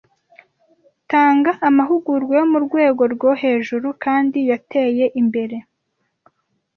Tanga amahugurwa yo murwego rwohejuru kandi yateye imbere